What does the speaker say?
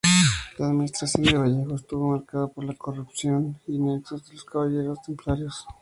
La administración de Vallejo estuvo marcada por corrupción y nexos con Los Caballeros Templarios.